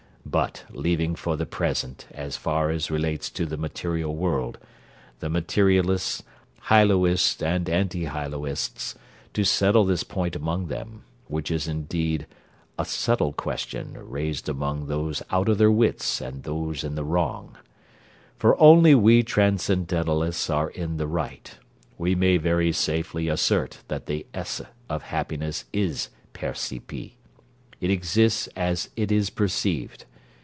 But, leaving for the present, as far as relates to the material world, the materialists, hyloists, and antihyloists, to settle this point among them, which is indeed A subtle question, raised among Those out o' their wits, and those i' the wrong: for only we transcendentalists are in the right: we may very safely assert that the esse of happiness is percipi. It exists as it is perceived.